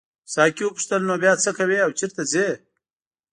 ساقي وپوښتل نو بیا څه کوې او چیرته ځې.